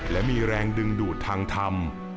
และมีแรงดึงดูดทางธรรม